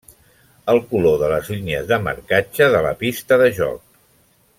El color de les línies de marcatge de la pista de joc.